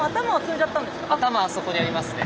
頭あそこにありますね。